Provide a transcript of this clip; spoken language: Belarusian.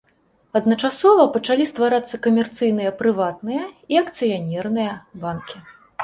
Адначасова пачалі стварацца камерцыйныя прыватныя і акцыянерныя банкі.